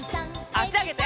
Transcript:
あしあげて。